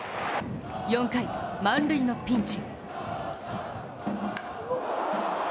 ４回、満塁のピンチ。